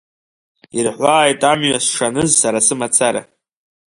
Ирҳәааит амҩа сшаныз сара сымацара.